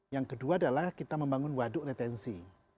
yang kedua adalah kita membangun waduk retensi